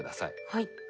はい。